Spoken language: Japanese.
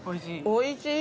おいしい？